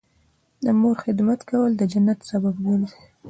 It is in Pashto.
د مور خدمت کول د جنت سبب ګرځي